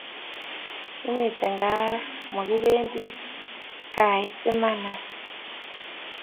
Kimiten kaa raa mokibendi kait iman any